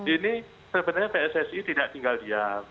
ini sebenarnya pssi tidak tinggal diam